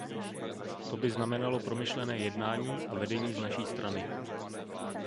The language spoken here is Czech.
To by znamenalo promyšlené jednání a vedení z naší strany.